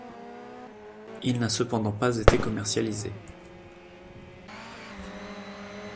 Il n'a cependant pas été commercialisé.